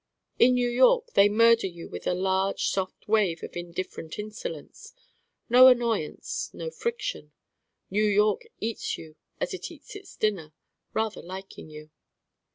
In New York they murder you with a large soft wave of indifferent insolence no annoyance, no friction. New York eats you as it eats its dinner, rather liking you.